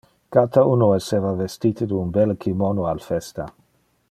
Cata uno esseva vestite de un belle kimono al festa.